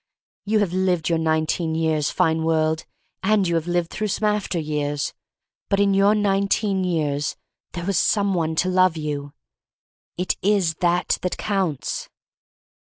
You have lived your nineteen years, fine world, and you have lived through some after years. But in your nineteen years there was some one to love you. It is that that counts.